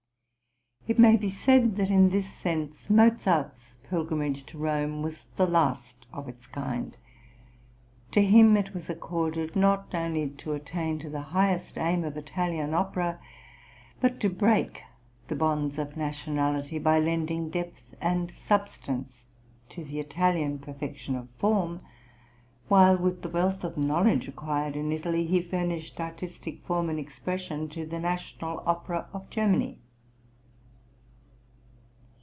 It may be said that, in this sense, Mozart's pilgrimage to Rome was the last of its kind; to him it was accorded, not, only to attain to the highest aim of Italian opera but to break the bonds of nationality, by lending depth and substance to the Italian perfection of form, while, with the wealth of knowledge acquired in Italy, he furnished artistic form and expression to the national opera of Germany.